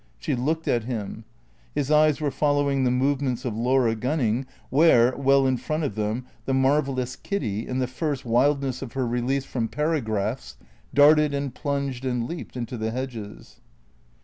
She looked at him. His eyes were following the movements of Laura Gunning where, well in front of them, the marvellous Kiddy, in the first wildness of her re lease from paragraphs, darted and plunged and leaped into the hedges.